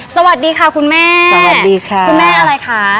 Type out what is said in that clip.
สวัสดีค่ะคุณแม่สวัสดีค่ะคุณแม่อะไรคะ